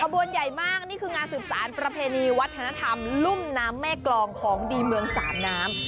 บวนใหญ่มากนี่คืองานสืบสารประเพณีวัฒนธรรมลุ่มน้ำแม่กรองของดีเมืองสามน้ำ